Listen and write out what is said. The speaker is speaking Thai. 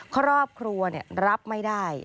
ครอบครัวรับไม่ได้